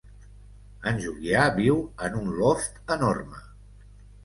En Julià viu en un loft enorme.